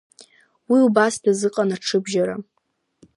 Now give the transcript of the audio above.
Уи убас дазҟазан аҽыбжьара.